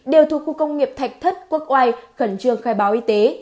đều thuộc khu công nghiệp thạch thất quốc oai khẩn trương khai báo y tế